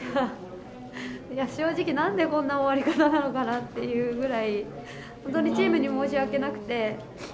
正直、なんでこんな終わり方なのかなっていうぐらい、本当にチームに申し訳なくて。